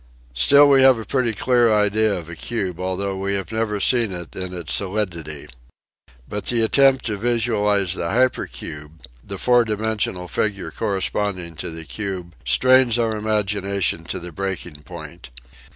Still we have a pretty clear idea of a cube although we have never seen it in its solidity. But the attempt to visualize the hypercube, the four dimensional figure corresponding to the cube, strains our imagination to the breaking point.